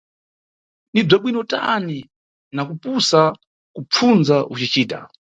Ni bzabwino tani na kupusa kupfunza ucicita!